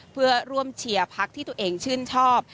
เพื่อร่วมเชียร์พักที่ตัวเองชื่นชอบ